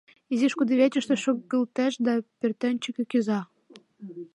Изиш кудывечыште шогылтеш да пӧртӧнчыкӧ кӱза.